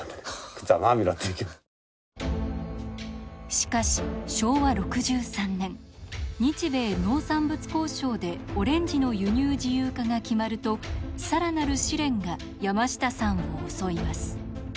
しかし昭和６３年日米農産物交渉でオレンジの輸入自由化が決まると更なる試練が山下さんを襲います。